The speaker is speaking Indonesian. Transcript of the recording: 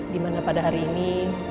dimana pada hari ini